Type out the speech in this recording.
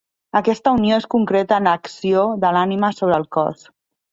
Aquesta unió es concreta en l'acció de l'ànima sobre el cos.